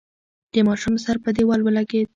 د ماشوم سر په دېوال ولگېد.